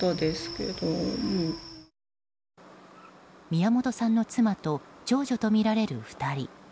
宮本さんの妻と長女とみられる２人。